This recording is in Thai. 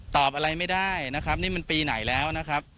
ตอบอะไรไม่ได้นะครับนี่มันปีไหนแล้วนะครับ